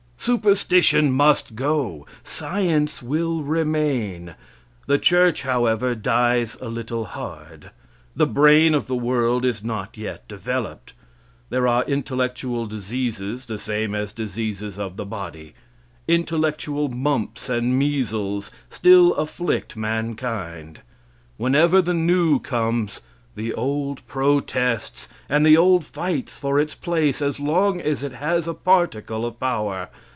Superstition must go. Science will remain. The church, however, dies a little hard. The brain of the world is not yet developed. There are intellectual diseases the same as diseases of the body. Intellectual mumps and measles still afflict mankind. Whenever the new comes, the old protests, and the old fights for its place as long as it has a particle of power.